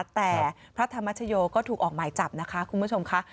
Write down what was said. แต่พระธรรมชโยก็ถูกออกหมายจับนะคะคุณผู้ชมค่ะ